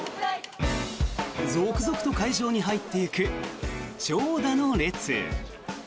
続々と会場に入っていく長蛇の列。